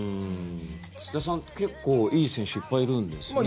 土田さん、結構いい選手いっぱいいるんですよね。